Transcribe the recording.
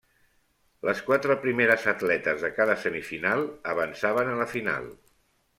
Les quatre primeres atletes de cada semifinal avançaven a la final.